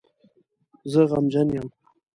زه غمجن یم